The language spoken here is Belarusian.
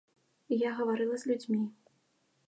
Я гаварыла з людзьмі.